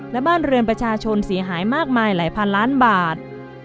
และบ้านเรือนประชาชนเสียหายมากมายหลายพันล้านบาท